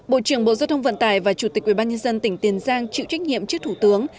bộ trưởng bộ giao thông vận tải và chủ tịch ubnd tỉnh tiền giang chịu trách nhiệm trước thủ tướng